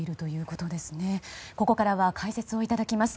ここからは解説をいただきます。